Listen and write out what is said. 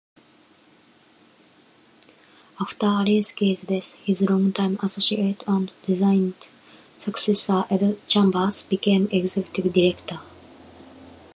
After Alinsky's death, his long-time associate and designated successor Ed Chambers became executive director.